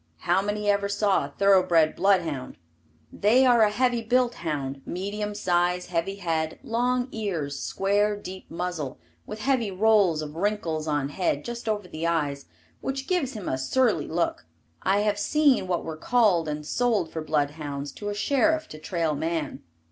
How many ever saw a thoroughbred bloodhound? They are a heavy built hound, medium size heavy head, long ears, square deep muzzle, with heavy rolls of wrinkles on head just over the eyes, which gives him a surly look. I have seen what were called and sold for bloodhounds to a sheriff to trail man.